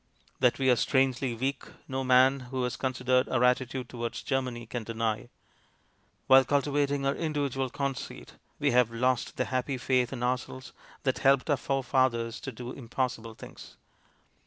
That we are strangely weak no man who has considered our attitude towards Germany can deny. While cultivating our individual conceit, we have lost the happy faith in ourselves that helped our forefathers to do impossible things.